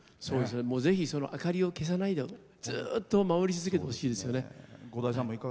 ぜひ明かりを消さないでずっと守り続けてほしいですよね。